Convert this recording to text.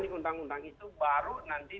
di undang undang itu baru nanti